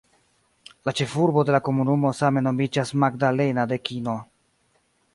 La ĉefurbo de la komunumo same nomiĝas "Magdalena de Kino".